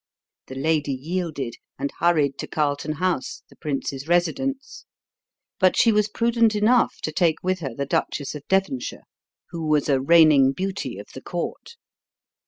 The lady yielded, and hurried to Carlton House, the prince's residence; but she was prudent enough to take with her the Duchess of Devonshire, who was a reigning beauty of the court.